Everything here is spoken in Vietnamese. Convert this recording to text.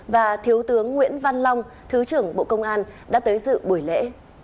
và thiếu tướng nguyễn văn long thứ trưởng bộ công an đã tới dự buổi lễ